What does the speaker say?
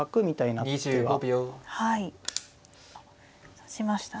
指しましたね。